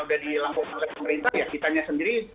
udah dilengkung oleh pemerintah ya kitanya sendiri